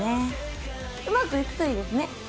うまくいくといいですね。